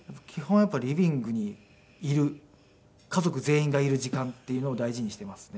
やっぱりリビングにいる家族全員がいる時間っていうのを大事にしていますね。